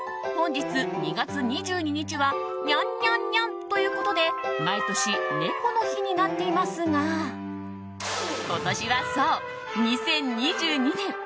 本日２月２２日はニャンニャンニャンということで毎年、猫の日になっていますが今年はそう、２０２２年！